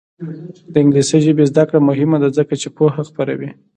د انګلیسي ژبې زده کړه مهمه ده ځکه چې پوهه خپروي.